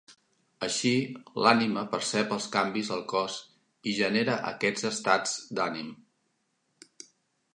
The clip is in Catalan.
Així, l'ànima percep els canvis al cos i genera aquests estats d'ànim.